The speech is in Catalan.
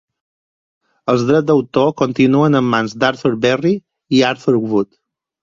Els drets d'autor continuen en mans d'Arthur Berry i Arthur Wood.